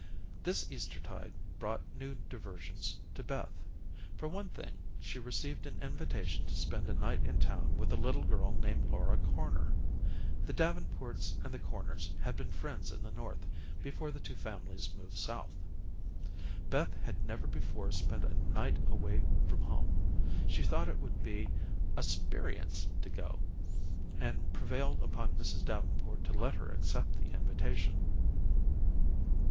This Eastertide brought new diversions to Beth. For one thing, she received an invitation to spend a night in town with a little girl named Laura Corner. The Davenports and the Corners had been friends in the North before the two families moved South. Beth had never before spent a night away from home. She thought it would be a "sperience" to go, and prevailed upon Mrs. Davenport to let her accept the invitation.